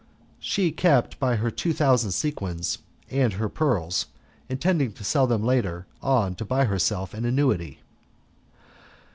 She kept by her two thousand sequins and her pearls, intending to sell them later on to buy herself an annuity.